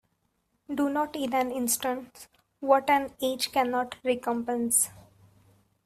Do not in an instant what an age cannot recompense.